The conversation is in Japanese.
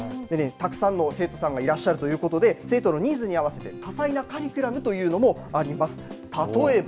たくさんの生徒さんがいらっしゃるということで生徒のニーズに合わせて多彩なカリキュラムというのもあります。